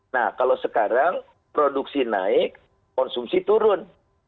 nah kalau sekarang produksi naik konsumsi turun